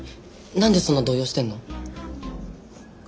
何でそんな動揺してんの？